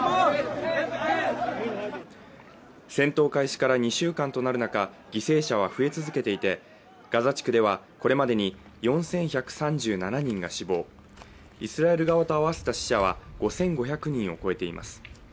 戦闘開始から２週間となる中犠牲者は増え続けていてガザ地区ではこれまでに４１３７人が死亡イスラエル側と合わせた死者は５５００人を超えています